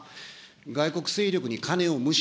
外国勢力に金を無心。